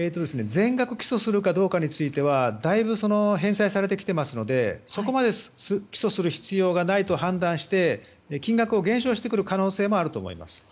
全額起訴するかについてはだいぶ返済されてきていますのでそこまで起訴する必要がないと判断して金額を減少してくる可能性もあると思います。